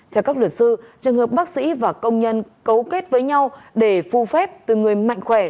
theo các luật sư trường hợp bác sĩ và công nhân cấu kết với nhau để phù phép từ người mạnh khỏe